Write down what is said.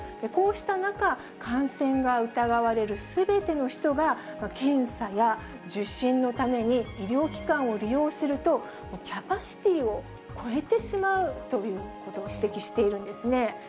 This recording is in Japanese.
こうした中、感染が疑われるすべての人が、検査や受診のために医療機関を利用すると、キャパシティーを超えてしまうということを指摘しているんですね。